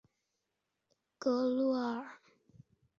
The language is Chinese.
格罗尔芬根是德国巴伐利亚州的一个市镇。